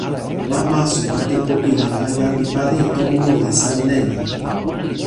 ma Masu pi tenpo pini la jan li pali e tomo moli sama nena.